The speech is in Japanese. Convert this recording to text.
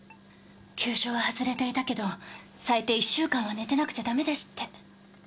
急所は外れていたけど最低１週間は寝てなくちゃダメですって。